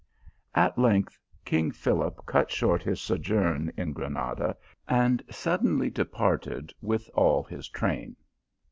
At length king Philip cut short his sojourn at Granada, and suddenly departed with all his train.